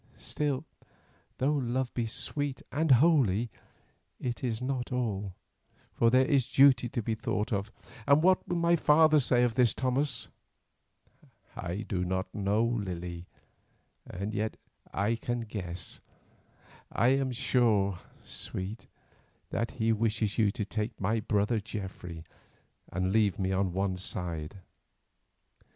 Still, though love be sweet and holy, it is not all, for there is duty to be thought of, and what will my father say to this, Thomas?" "I do not know, Lily, and yet I can guess. I am sure, sweet, that he wishes you to take my brother Geoffrey, and leave me on one side."